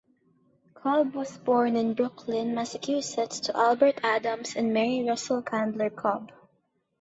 Cobb was born in Brookline, Massachusetts to Albert Adams and Mary Russell Candler Cobb.